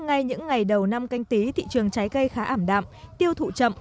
ngay những ngày đầu năm canh tí thị trường trái cây khá ảm đạm tiêu thụ chậm